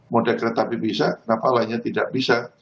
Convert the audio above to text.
moda kereta api bisa kenapa lainnya tidak bisa